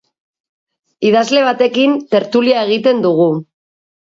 Idazle batekin tertulia egiten dugu.